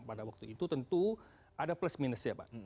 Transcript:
pada waktu itu tentu ada plus minusnya pak